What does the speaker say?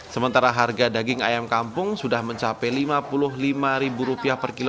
sementara harga daging ayam kampung sudah mencapai rp lima puluh lima